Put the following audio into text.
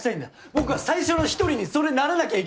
僕は最初の一人にそれならなきゃいけないんだ。